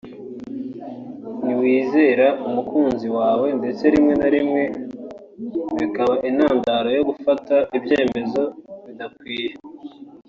ntiwizera umukunzi wawe ndetse rimwe na rimwe bikaba n’intandaro yo gufata ibyemezo bidakwiye